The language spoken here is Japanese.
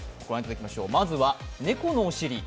まずは猫のお尻。